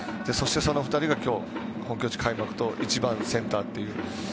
そして、その２人が今日本拠地開幕と１番、センターという。